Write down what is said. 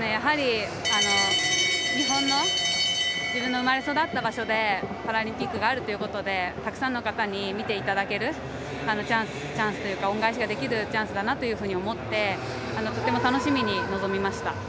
日本の自分の生まれ育った場所でパラリンピックがあるということでたくさんの方に見ていただけるチャンスというか恩返しができるチャンスだと思ってとても楽しみに臨みました。